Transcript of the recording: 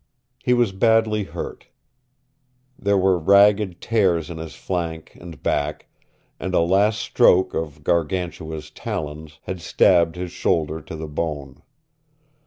He was badly hurt. There were ragged tears in his flank and back, and a last stroke of Gargantua's talons had stabbed his shoulder to the bone.